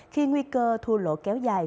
khi nguy cơ thua lỗ kéo dài